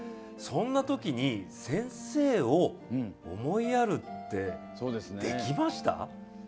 そんなときに先生を思いやるってできました？